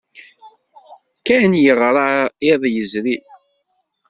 Ken yeɣra iḍ yezrin.